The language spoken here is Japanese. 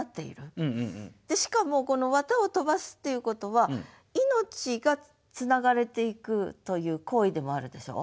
しかもこの絮を飛ばすっていうことは命がつながれていくという行為でもあるでしょう？